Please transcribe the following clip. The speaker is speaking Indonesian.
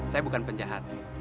saya bukan penjahat